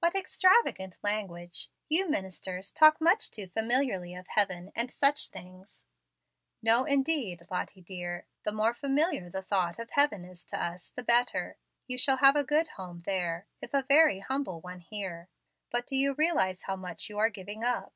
"What extravagant language! You ministers talk much too familiarly of heaven, and such things." "No, indeed, Lottie, dear! the more familiar the thought of heaven is to us, the better. You shall have a good home there, if a very humble one here. But do you realize how much you are giving up?"